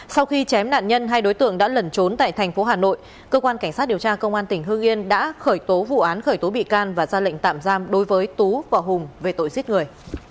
sau khi chém nạn nhân hai đối tượng đã lẩn trốn tại thành phố hà nội cơ quan cảnh sát điều tra công an tỉnh hương yên đã khởi tố vụ án khởi tố bị can và ra lệnh tạm giam đối với tú và hùng về tội giết người